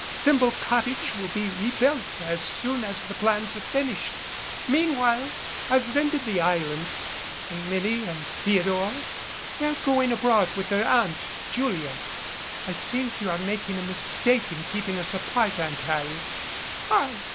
Thimble Cottage will be rebuilt as soon as the plans are finished. Meanwhile, I've rented the island." "And Milly and Theodore?" "They're going abroad with their Aunt Julia." "I think you are making a mistake in keeping us apart, Aunt Harriet." "Why?